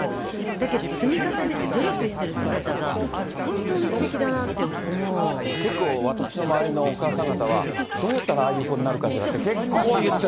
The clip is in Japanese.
だけど、積み重ねて努力してる姿が、結構私の周りのお母さん方は、どうやったらああいう子になるかしらって結構言ってる。